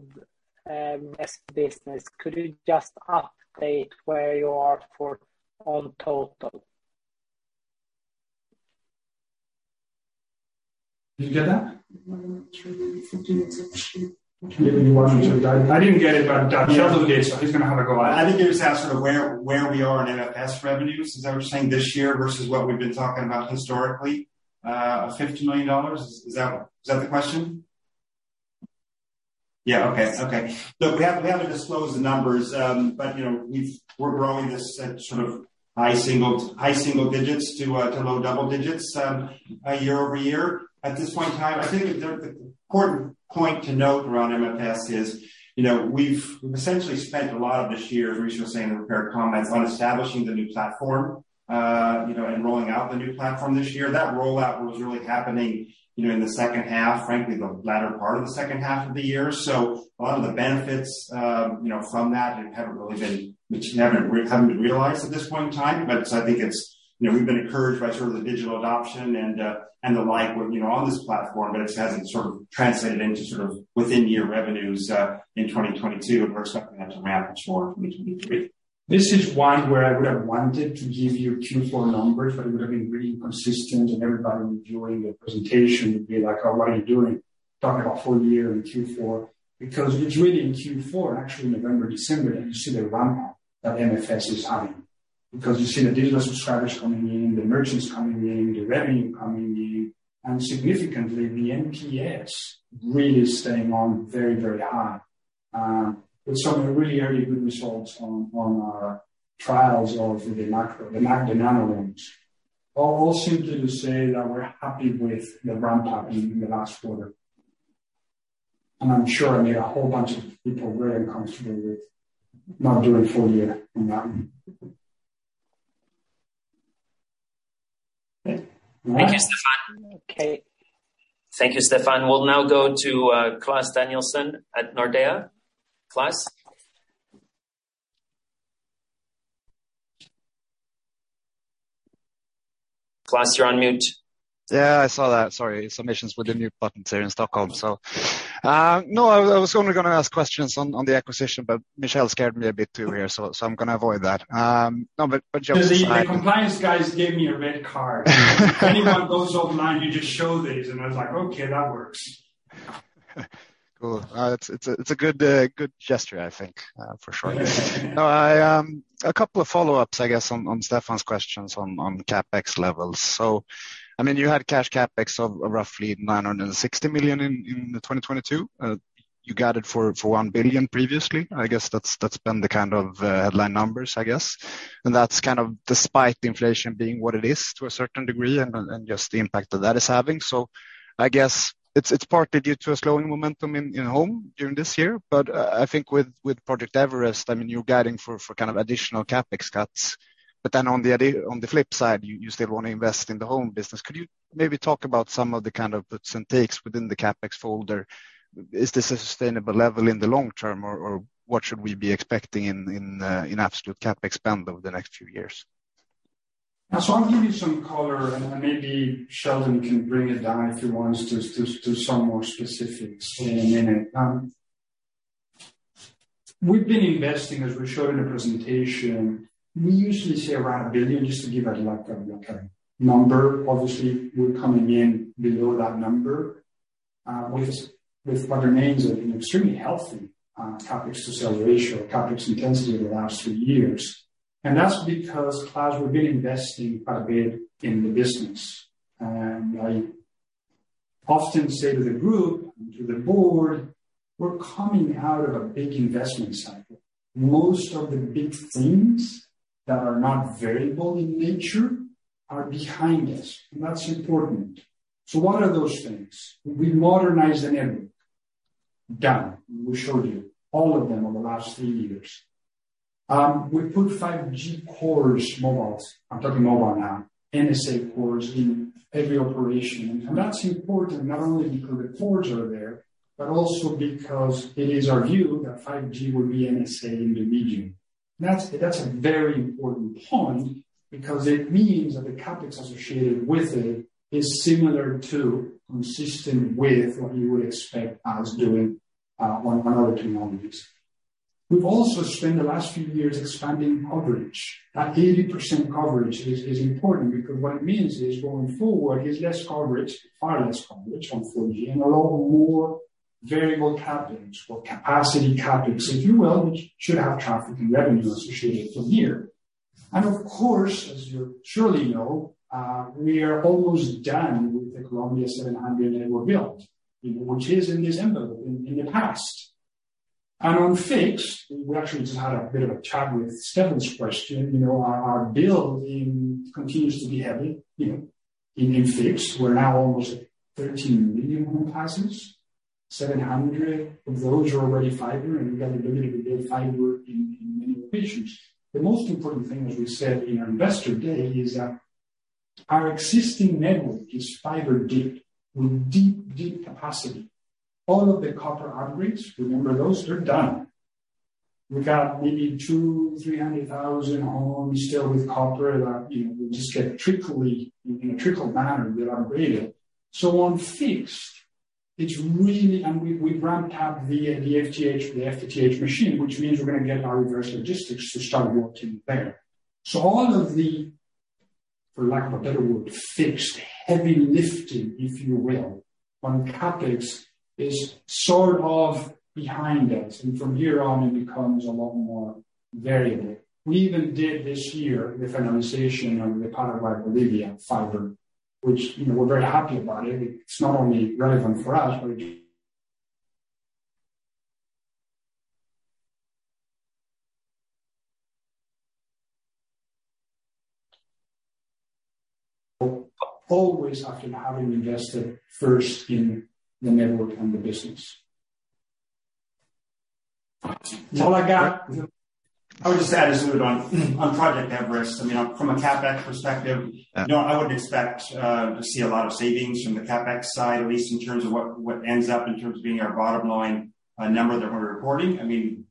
MFS business. Could you just update where you are for on total? Did you get that? I'm not sure. The $50 million. Maybe you want me to... I didn't get it, but Sheldon did, so he's gonna have a go at it. I think he was asking where we are in MFS revenues. Is that what you're saying? This year versus what we've been talking about historically? $50 million. Is that the question? Yeah. Okay. Look, we haven't disclosed the numbers, but, you know, we're growing this at sort of high single digits to low double digits year-over-year. At this point in time, I think the important point to note around MFS is, you know, we've essentially spent a lot of this year, as Richard was saying in the prepared comments, on establishing the new platform, you know, and rolling out the new platform this year. That rollout was really happening, you know, in the second half, frankly, the latter part of the second half of the year. A lot of the benefits, you know, from that which haven't come to realize at this point in time. I think it's, you know, we've been encouraged by sort of the digital adoption and the like with, you know, on this platform, but it hasn't sort of translated into sort of within year revenues in 2022. We're expecting that to ramp much more in 2023. This is one where I would have wanted to give you Q4 numbers, but it would have been really inconsistent and everybody enjoying the presentation would be like, "Oh, what are you doing? Talk about full year and Q4." It's really in Q4, actually November, December, that you see the ramp-up that MFS is having. You see the digital subscribers coming in, the merchants coming in, the revenue coming in, and significantly the NPS really staying on very, very high. With some of the really early good results on our trials of the micro, the mac, the nano loans. All simply to say that we're happy with the ramp-up in the last quarter. I'm sure I made a whole bunch of people very uncomfortable with not doing full year on that one. Okay. Thank you, Stefan. Okay. Thank you, Stefan. We'll now go to Klas Danielsson at Nordea. Klas? Klas, you're on mute. Yeah, I saw that. Sorry. Some issues with the mute button here in Stockholm, so. No, I was only gonna ask questions on the acquisition, but Michel scared me a bit too here, so I'm gonna avoid that. No, but just The compliance guys gave me a red card. If anyone goes online, you just show this. I was like, "Okay, that works. Cool. It's a good gesture I think, for sure. No, I, a couple of follow-ups, I guess, on Stefan's questions on CapEx levels. I mean, you had cash CapEx of roughly $960 million in 2022. You guided for $1 billion previously. I guess that's been the kind of headline numbers, I guess. That's kind of despite inflation being what it is to a certain degree and just the impact that that is having. I guess it's partly due to a slowing momentum in home during this year. I think with Project Everest, I mean, you're guiding for kind of additional CapEx cuts, but then on the flip side, you still wanna invest in the home business. Could you maybe talk about some of the kind of puts and takes within the CapEx folder? Is this a sustainable level in the long term, or what should we be expecting in absolute CapEx spend over the next few years? I'll give you some color, and maybe Sheldon can bring it down if he wants to some more specifics in a minute. We've been investing, as we showed in the presentation, we usually say around $1 billion just to give a like a number. Obviously, we're coming in below that number, with what remains an extremely healthy CapEx to sales ratio or CapEx intensity over the last three years. That's because, Klas, we've been investing quite a bit in the business. I often say to the group and to the board, we're coming out of a big investment cycle. Most of the big things that are not variable in nature are behind us, and that's important. What are those things? We modernized the network. Done. We showed you all of them over the last three years. We put 5G cores mobiles. I'm talking mobile now, NSA cores in every operation. That's important not only because the cores are there, but also because it is our view that 5G will be NSA in the medium. That's a very important point because it means that the CapEx associated with it is similar to, consistent with what you would expect us doing on other technologies. We've also spent the last few years expanding coverage. That 80% coverage is important because what it means is going forward is less coverage, far less coverage on 4G and a lot more variable CapEx or capacity CapEx, if you will, which should have traffic and revenue associated per year. Of course, as you surely know, we are almost done with the Colombia 700 network build, you know, which is in this envelope in the past. On fixed, we actually just had a bit of a chat with Stefann's question. You know, our build continues to be heavy, you know, in fixed. We're now almost at 13 million home passes. 700 of those are already fiber, and we've got the ability to build fiber in many locations. The most important thing, as we said in our Investor Day, is that our existing network is fiber deep with deep, deep capacity. All of the copper upgrades, remember those? They're done. We got maybe 200,000-300,000 homes still with copper that, you know, we just get in a trickle manner get upgraded. On fixed, it's really. We've ramped up the FTTH machine, which means we're gonna get our reverse logistics to start working there. All of the, for lack of a better word, fixed heavy lifting, if you will, on CapEx is sort of behind us, and from here on it becomes a lot more variable. We even did this year the finalization of the Panama Bolivia fiber, which, you know, we're very happy about it. It's not only relevant for us, but it. Always after having invested first in the network and the business. That's all I got. I would just add, as we would on Project Everest. I mean, from a CapEx perspective, you know, I wouldn't expect to see a lot of savings from the CapEx side, at least in terms of what ends up in terms of being our bottom line number that we're reporting. I mean,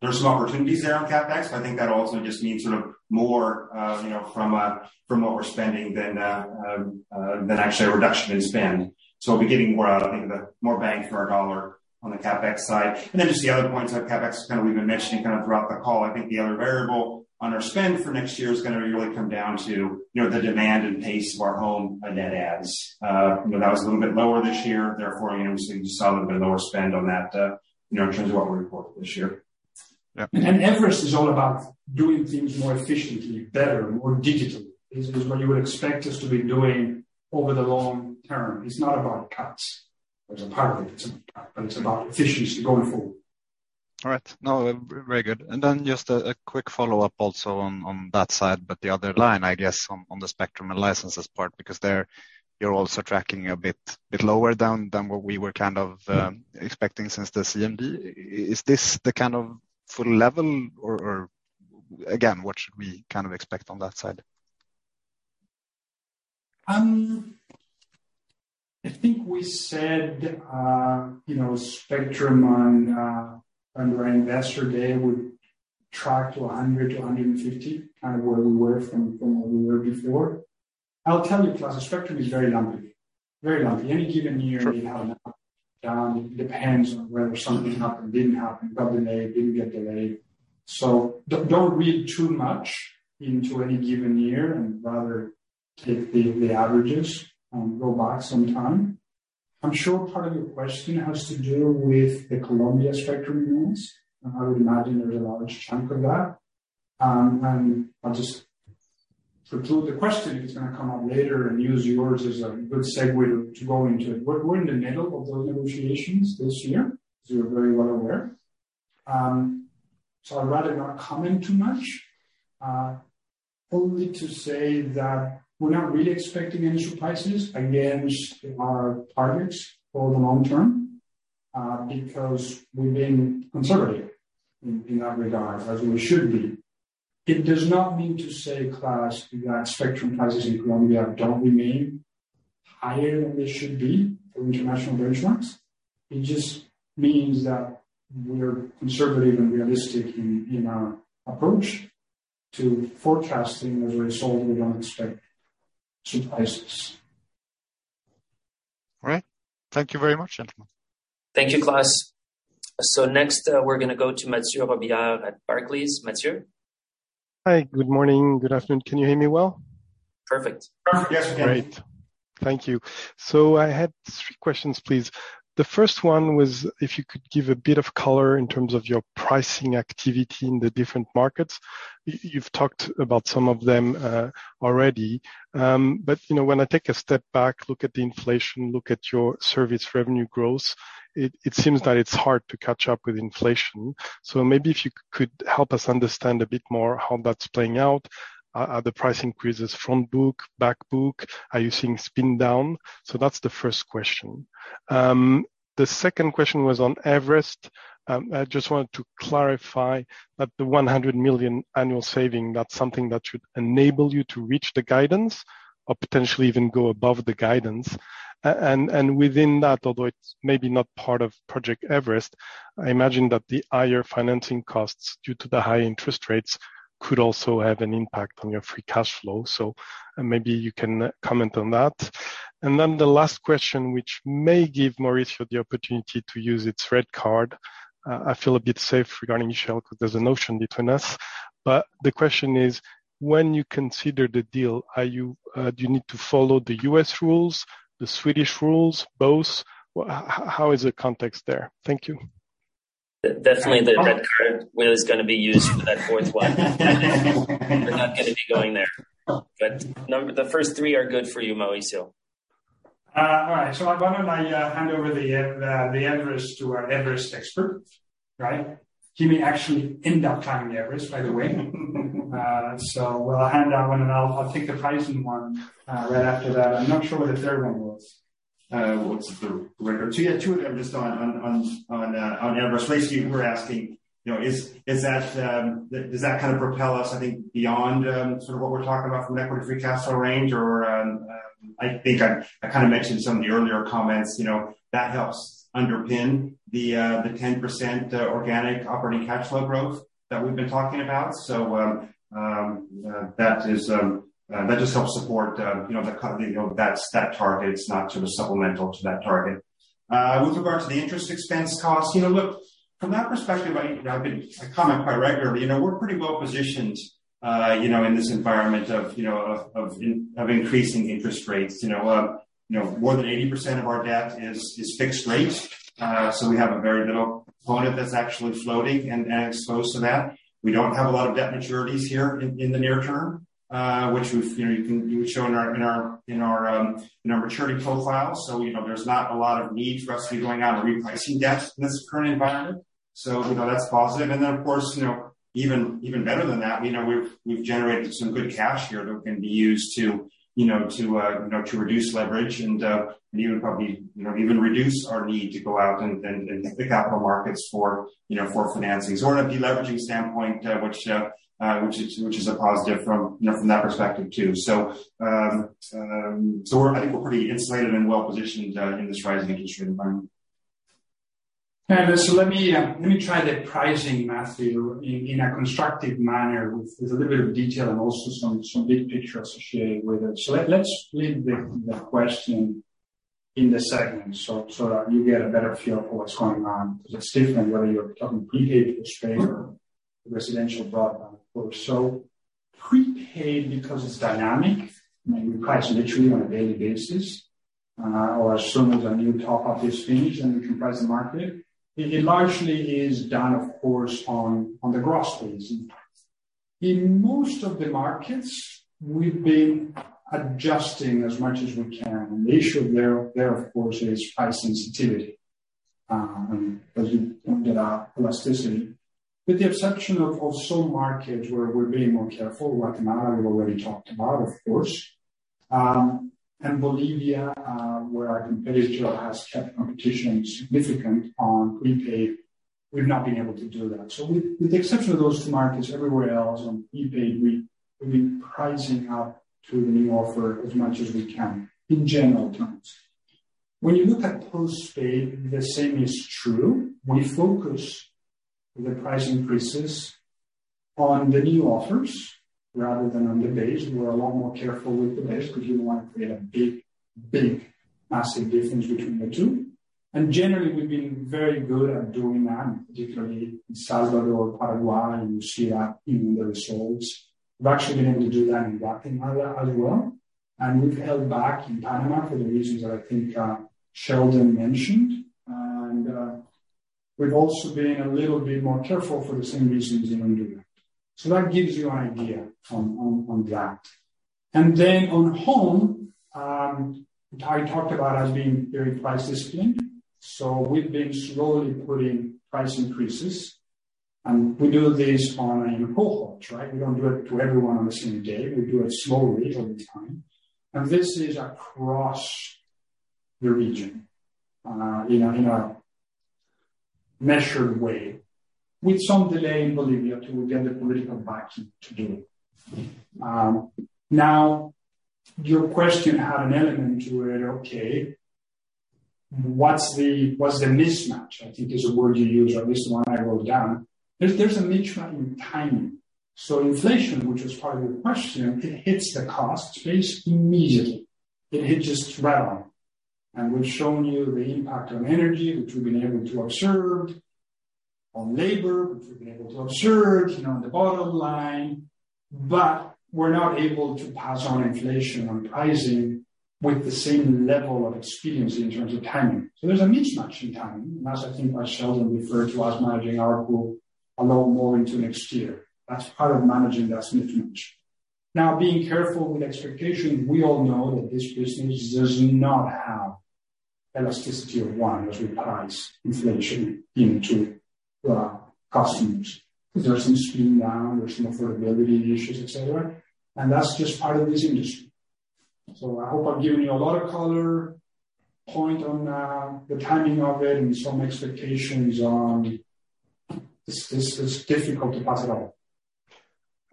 there's some opportunities there on CapEx. I think that also just means sort of more, you know, from from what we're spending than actually a reduction in spend. We'll be getting more out, I think, the more bang for our dollar on the CapEx side. Just the other point on CapEx is kind of we've been mentioning kind of throughout the call. I think the other variable on our spend for next year is gonna really come down to, you know, the demand and pace of our home, net adds. You know, that was a little bit lower this year. Therefore, you know, we're seeing just a little bit lower spend on that, you know, in terms of what we reported this year. Yeah. Everest is all about doing things more efficiently, better, more digitally. This is what you would expect us to be doing over the long term. It's not about cuts. There's a part of it that's about cut, but it's about efficiency going forward. All right. No, very good. Just a quick follow-up also on that side, but the other line, I guess on the spectrum and licenses part, because there you're also tracking a bit lower down than what we were kind of expecting since the CMD. Is this the kind of full level or again, what should we kind of expect on that side? I think we said, you know, spectrum on our Investor Day would track to 100-150, kind of where we were from where we were before. I'll tell you, Claes, the spectrum is very lumpy. Very lumpy. Any given year you have up, down. Depends on whether something happened, didn't happen, got delayed, didn't get delayed. Don't read too much into any given year, and rather take the averages and go back some time. I'm sure part of your question has to do with the Colombia spectrum events. I would imagine there's a large chunk of that. I'll just preclude the question if it's gonna come up later and use yours as a good segue to go into it. We're in the middle of those negotiations this year, as you're very well aware. I'd rather not comment too much. Only to say that we're not really expecting any surprises against our targets for the long term, because we've been conservative in that regard, as we should be. It does not mean to say, Kls, that spectrum prices in Colombia don't remain higher than they should be from international benchmarks. It just means that we're conservative and realistic in our approach to forecasting. As a result, we don't expect surprises. All right. Thank you very much, gentlemen. Thank you, Klas. Next, we're gonna go to Mathieu Robilliard at Barclays. Mathieu? Hi. Good morning. Good afternoon. Can you hear me well? Perfect. Perfect. Yes, we can. I had three questions, please. The first one was if you could give a bit of color in terms of your pricing activity in the different markets. You've talked about some of them already. You know, when I take a step back, look at the inflation, look at your service revenue growth, it seems that it's hard to catch up with inflation. Maybe if you could help us understand a bit more how that's playing out. Are the price increases front book, back book? Are you seeing spin down? That's the first question. The second question was on Everest. I just wanted to clarify that the $100 million annual saving, that's something that should enable you to reach the guidance or potentially even go above the guidance. Within that, although it's maybe not part of Project Everest, I imagine that the higher financing costs due to the high interest rates could also have an impact on your free cash flow. Maybe you can comment on that. Then the last question, which may give Mauricio the opportunity to use its red card. I feel a bit safe regarding Michel because there's an ocean between us. The question is, when you consider the deal, are you, do you need to follow the U.S. rules, the Swedish rules, both? How is the context there? Thank you. Definitely the red card was going to be used for that fourth one. We're not going to be going there. The first three are good for you, Mauricio. All right. I why don't I, hand over the Everest to our Everest expert, right? He may actually end up climbing Everest, by the way. We'll hand that one, and I'll take the pricing one, right after that. I'm not sure what the third one was. What's the record? Yeah, two of them just on Everest. You were asking, you know, is that does that kind of propel us, I think beyond sort of what we're talking about from an Equity Free Cash Flow range or... I think I kinda mentioned some of the earlier comments, you know, that helps underpin the 10% organic operating cash flow growth that we've been talking about. That is that just helps support, you know, that target. It's not sort of supplemental to that target. With regard to the interest expense cost, you know, look, from that perspective, I comment quite regularly. You know, we're pretty well-positioned, you know, in this environment of, you know, of increasing interest rates. You know, you know, more than 80% of our debt is fixed rate. We have a very little component that's actually floating and exposed to that. We don't have a lot of debt maturities here in the near term, which we've, you know, we've shown our in our maturity profile. You know, there's not a lot of need for us to be going out and repricing debt in this current environment. You know, that's positive. Of course, you know, even better than that, you know, we've generated some good cash here that can be used to, you know, to reduce leverage and even probably, you know, even reduce our need to go out and hit the capital markets for, you know, for financing. On a deleveraging standpoint, which is a positive from, you know, from that perspective too. I think we're pretty insulated and well-positioned in this rising interest rate environment. Okay. Let me, let me try the pricing, Mathieu, in a constructive manner with a little bit of detail and also some big picture associated with it. Let's leave the question in the segment so that you get a better feel for what's going on, because it's different whether you're talking prepaid, post-paid or residential, broadband, or so. Prepaid because it's dynamic, and we price literally on a daily basis, or as soon as a new top-up is finished, and we can price the market. It largely is done, of course, on the gross basis. In most of the markets, we've been adjusting as much as we can. The issue there, of course, is price sensitivity, as you pointed out, elasticity. With the exception of some markets where we're being more careful, like Panama, we've already talked about, of course, and Bolivia, where our competitor has kept competition significant on prepaid, we've not been able to do that. With the exception of those two markets, everywhere else on prepaid, we've been pricing up to the new offer as much as we can in general terms. When you look at post-paid, the same is true. We focus the price increases on the new offers rather than on the base. We're a lot more careful with the base because we don't want to create a big, massive difference between the two. Generally, we've been very good at doing that, particularly in Salvador, Paraguay, and you see that in the results. We've actually been able to do that in Latin America as well. We've held back in Panama for the reasons that I think Sheldon mentioned. We've also been a little bit more careful for the same reasons in Uruguay. That gives you an idea on, on that. Then on home, which I talked about as being very price-disciplined. We've been slowly putting price increases, and we do this on a cohorts, right? We don't do it to everyone on the same day. We do it slowly over time. This is across the region, in a measured way, with some delay in Bolivia till we get the political backing to do it. Now your question had an element to it, okay, what's the mismatch, I think is the word you used, or at least the one I wrote down. There's a mismatch in timing. Inflation, which was part of your question, it hits the cost base immediately. It hits us right on. We've shown you the impact on energy, which we've been able to observe, on labor, which we've been able to observe, you know, on the bottom line, but we're not able to pass on inflation on pricing with the same level of expediency in terms of timing. There's a mismatch in timing. That's, I think, what Sheldon referred to as managing our book a lot more into next year. That's part of managing that mismatch. Now, being careful with expectations, we all know that this business does not have elasticity of one as we price inflation into customers. There's some screening down, there's some affordability issues, et cetera, and that's just part of this industry. I hope I've given you a lot of color point on the timing of it and some expectations on this. This is difficult to pass it on.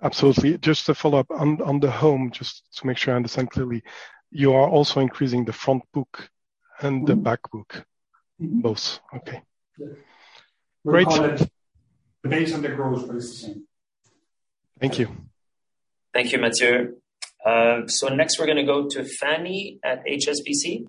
Absolutely. Just to follow up on the home, just to make sure I understand clearly, you are also increasing the front book and the back book. Mm-hmm. Both. Okay. Yeah. Great. We call it based on the gross, but it's the same. Thank you. Thank you, Mathieu. Next we're gonna go to Phani at HSBC.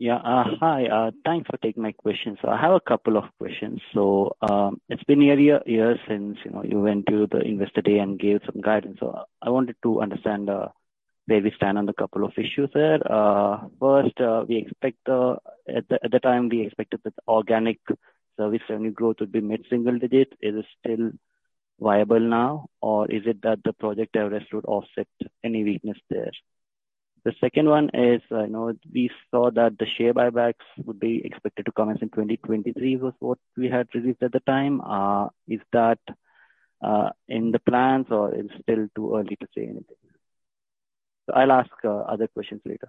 Hi. Thanks for taking my question. I have a couple of questions. It's been nearly a year since, you know, you went to the Investor Day and gave some guidance. I wanted to understand where we stand on the couple of issues there. First, at the time, we expected that organic service revenue growth would be mid-single digit. Is it still viable now, or is it that the Project Everest would offset any weakness there? The second one is, I know we saw that the share buybacks would be expected to commence in 2023, was what we had released at the time. Is that in the plans or it's still too early to say anything? I'll ask other questions later.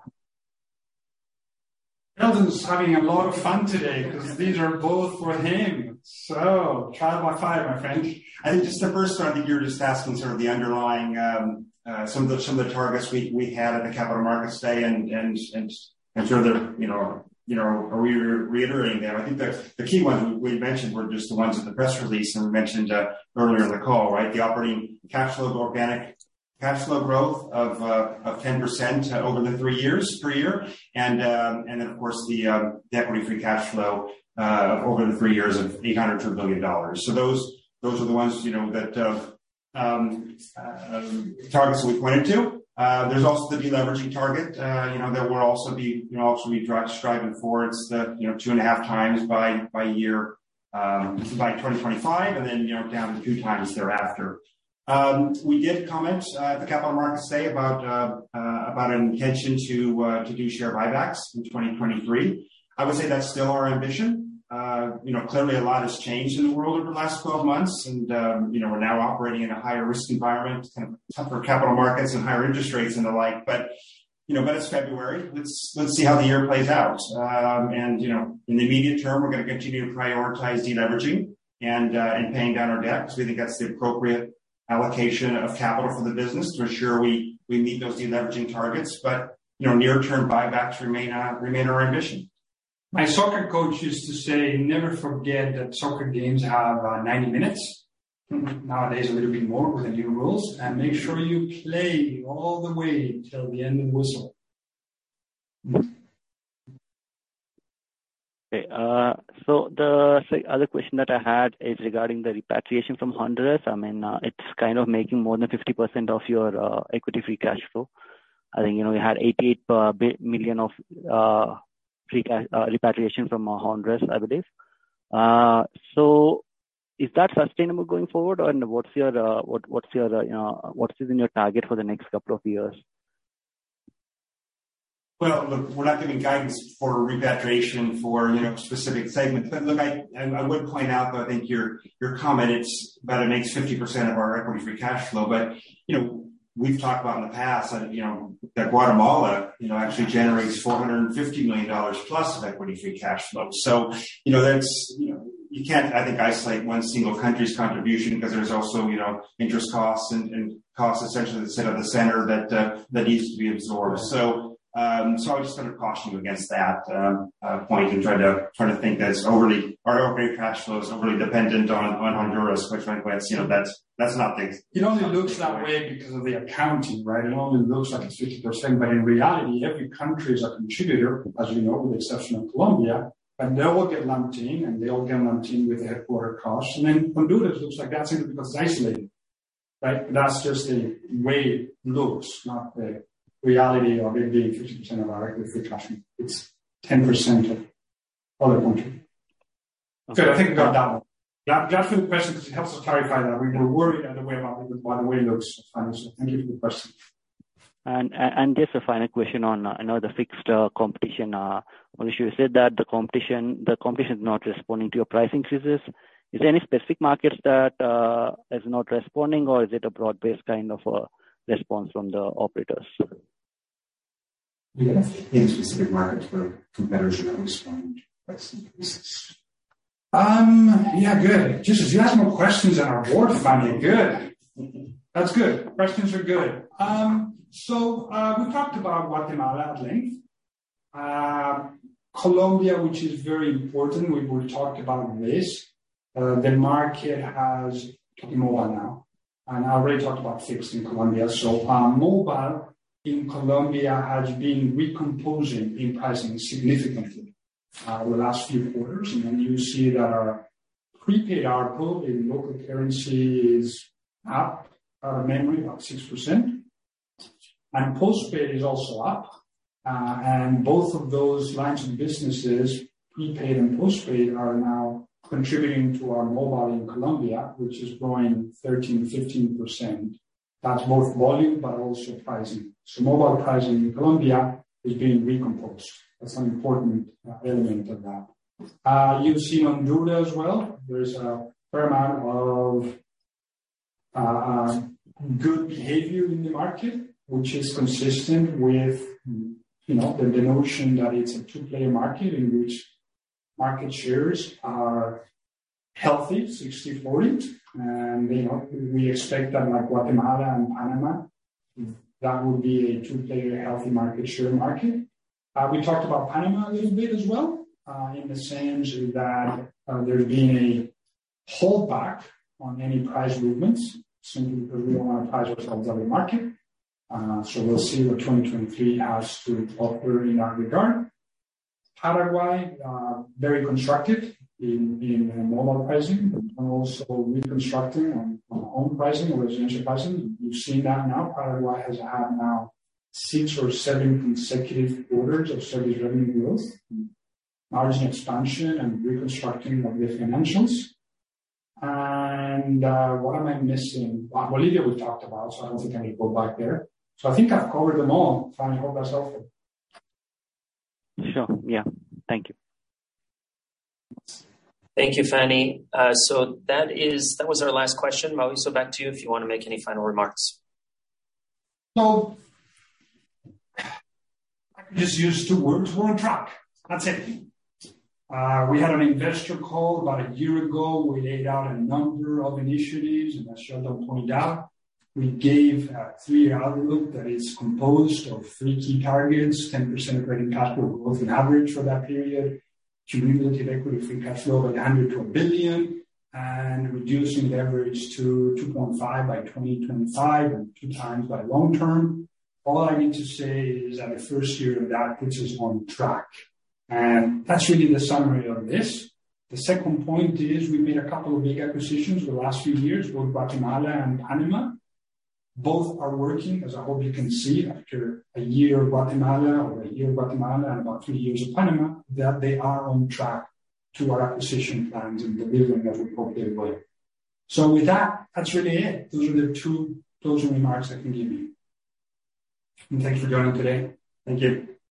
Sheldon's having a lot of fun today because these are both for him. Trial by fire, my friend. I think just the first one, I think you're just asking sort of the underlying, some of the targets we had at the Capital Markets Day and sort of the, you know, you know, are we reiterating them? I think the key ones we mentioned were just the ones in the press release, and we mentioned earlier in the call, right? The operating cash flow, organic cash flow growth of 10% over the three years per year. Then of course the Equity Free Cash Flow over the three years of $800 million-$1 billion. Those are the ones, you know, that targets we pointed to. There's also the de-leveraging target, you know, that we'll also be, you know, striving towards the, you know, 2.5 times by year, by 2025, and then, you know, down to two times thereafter. We did comment at the Capital Markets Day about an intention to do share buybacks in 2023. I would say that's still our ambition. You know, clearly a lot has changed in the world over the last 12 months and, you know, we're now operating in a higher risk environment and tougher capital markets and higher interest rates and the like. You know, but it's February, let's see how the year plays out. You know, in the immediate term, we're gonna continue to prioritize de-leveraging and paying down our debt because we think that's the appropriate allocation of capital for the business to ensure we meet those de-leveraging targets. You know, near term buybacks remain our ambition. My soccer coach used to say, "Never forget that soccer games have 90 minutes." Nowadays, a little bit more with the new rules, "And make sure you play all the way till the end of whistle. Okay. The other question that I had is regarding the repatriation from Honduras. I mean, it's kind of making more than 50% of your equity free cash flow. I think, you know, you had $88 million of free repatriation from Honduras, I believe. Is that sustainable going forward or what's your, you know, what is in your target for the next couple of years? Well, look, we're not giving guidance for repatriation for, you know, specific segments. Look, I would point out that I think your comment, it's about it makes 50% of our Equity Free Cash Flow. You know, we've talked about in the past that, you know, that Guatemala, you know, actually generates $450 million plus of Equity Free Cash Flow. You know, that's, you know, you can't, I think, isolate one single country's contribution because there's also, you know, interest costs and costs essentially the center that needs to be absorbed. I'll just kind of caution you against that point and trying to, trying to think that our operating cash flow is overly dependent on Honduras, which frankly, you know, that's not the- It only looks that way because of the accounting, right? It only looks like it's 50%, but in reality, every country is a contributor, as you know, with the exception of Colombia. They all get lumped in with the headquarter costs. Then Honduras looks like that simply because isolated, right? That's just the way it looks, not the reality of it being 50% of our Equity Free Cash Flow. It's 10% of other country. Okay, I think we got that one. That's a good question because it helps us clarify that. We were worried by the way it looks, thank you for the question. Just a final question on, you know, the fixed, competition, issue. You said that the competition is not responding to your pricing increases. Is there any specific markets that is not responding or is it a broad-based kind of a response from the operators? Do we have any specific markets where competitors are not responding to price increases? Yeah, good. Jesus, you have more questions than our board, Fannie. Good. That's good. Questions are good. We talked about Guatemala at length. Colombia, which is very important, we talked about this. The market has talking mobile now. I already talked about fixed in Colombia. Mobile in Colombia has been recomposing in pricing significantly over the last few quarters. You see that our prepaid ARPU in local currency is up, memory about 6%, postpaid is also up. Both of those lines of businesses, prepaid and postpaid, are now contributing to our mobile in Colombia, which is growing 13%-15%. Both volume but also pricing. Mobile pricing in Colombia is being recomposed. An important element of that. You've seen Honduras as well. There's a fair amount of good behavior in the market, which is consistent with, you know, the notion that it's a two-player market in which market shares are healthy, 60/40. You know, we expect that like Guatemala and Panama, that would be a two-player healthy market, share market. We talked about Panama a little bit as well, in the sense that there's been a hold back on any price movements simply because we don't wanna price ourselves out of the market. We'll see what 2023 has to offer in that regard. Paraguay, very constructive in mobile pricing, but also reconstructing on home pricing or residential pricing. We've seen that now. Paraguay has had now six or seven consecutive quarters of service revenue growth, margin expansion, and reconstructing of the financials. What am I missing? Bolivia we talked about, I don't think I need to go back there. I think I've covered them all. Phani, I hope that's helpful. Sure. Yeah. Thank you. Thank you, Phani. That was our last question. Mauricio, back to you if you want to make any final remarks. I can just use two words. We're on track. That's it. We had an investor call about on year ago. We laid out a number of initiatives, and as Sheldon pointed out, we gave a three-year outlook that is composed of three key targets, 10% operating cash flow growth in average for that period, cumulative Equity Free Cash Flow of $100 million-$1 billion, and reducing leverage to 2.5 by 2025 and 2x by long term. All I need to say is that the 1st year of that puts us on track, and that's really the summary of this. The second point is we made a couple of big acquisitions over the last few years, both Guatemala and Panama. Both are working, as I hope you can see after a year of Guatemala or a year of Guatemala and about three years of Panama, that they are on track to our acquisition plans and the building of a portfolio play. With that's really it. Those are the remarks I can give you. Thanks for joining today. Thank you.